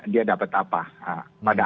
dia dapat apa pada